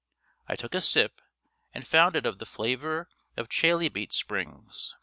I took a sip, and found it of the flavour of chalybeate springs.